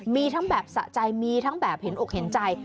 มีทั้งแบบสะใจมีทั้งแบบเห็นอกเห็นใจ